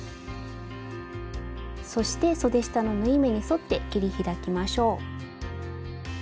そしてそで下の縫い目に沿って切り開きましょう。